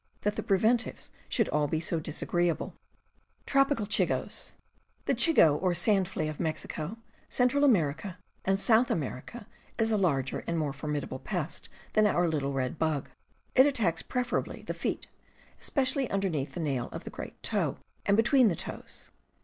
that the preventives should all be so disagreeable. The chigoe or sand flea of Mexico, Central America, and South America, is a larger and more formidable J^ ., pest than our little red bug. It attacks, ChVoes preferably, the feet, especially under neath the nail of the great toe, and between the toes.